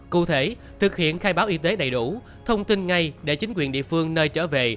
cụ thể thực hiện khai báo y tế đầy đủ thông tin ngay để chính quyền địa phương nơi trở về